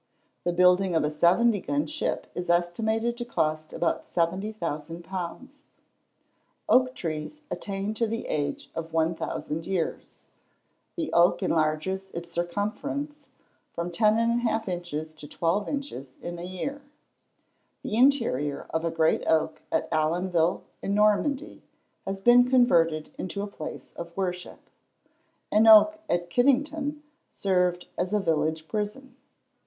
The building of a 70 gun ship is estimated to cost about £70,000. Oak trees attain to the age of 1,000 years. The oak enlarges its circumference from 10 1/2 inches to 12 inches in a year. The interior of a great oak at Allonville, in Normandy, has been converted into a place of worship. An oak at Kiddington, served as a village prison.